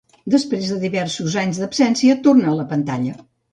Després de diversos anys d'absència, torna a la pantalla.